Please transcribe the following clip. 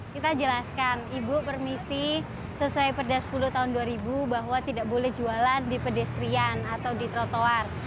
kita jelaskan ibu permisi sesuai perda sepuluh tahun dua ribu bahwa tidak boleh jualan di pedestrian atau di trotoar